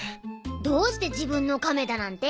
どうして自分の亀だなんて？